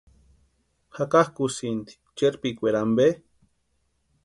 ¿Jakankusïnti chérpikwari ampe?